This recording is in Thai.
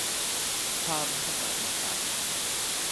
ความสมานฉันท์